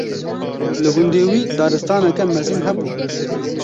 Li gundê wî daristaneke mezin hebû.